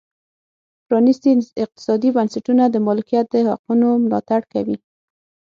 پرانیستي اقتصادي بنسټونه د مالکیت د حقونو ملاتړ کوي.